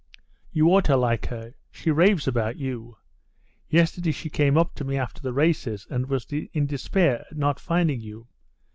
"You ought to like her. She raves about you. Yesterday she came up to me after the races and was in despair at not finding you.